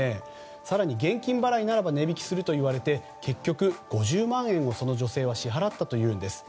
更に現金払いならば値引きすると言われて結局５０万円を、その女性は支払ったというのです。